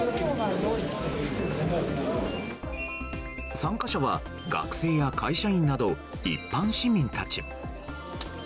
参加者は学生や会社員など一般市民たち。